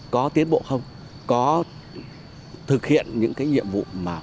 có tiến bộ không có thực hiện những cái nhiệm vụ mà